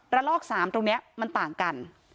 ลอก๓ตรงนี้มันต่างกัน